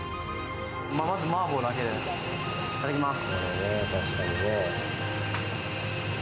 まずマーボーだけでいただきます。